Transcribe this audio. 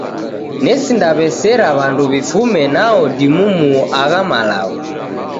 Nesindaw'esera w'andu w'ifume nao dimumuo agha malagho.